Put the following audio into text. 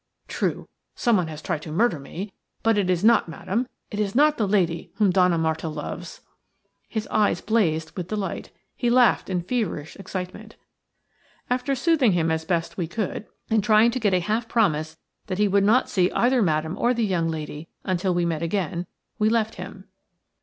True, someone has tried to murder me, but it is not Madame – it is not the lady whom Donna Marta loves." His eyes blazed with delight. He laughed in feverish excitement. After soothing him as best we could, and trying to get a half promise that he would not see either Madame or the young lady until we met again, we left him.